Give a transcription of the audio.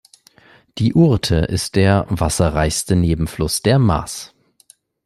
Die Ourthe ist der wasserreichste Nebenfluss der Maas.